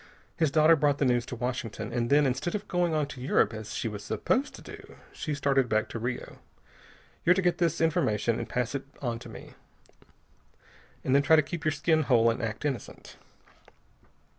His daughter brought the news to Washington, and then instead of going on to Europe as she was supposed to do, she started back to Rio. You're to get this formation and pass it on to me, then try to keep your skin whole and act innocent.